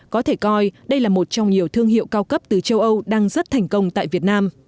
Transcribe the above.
có thể coi đây là một trong nhiều thương hiệu cao cấp từ châu âu đang rất thành công tại việt nam